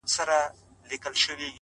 صبر د لوړو موخو ساتونکی دی.!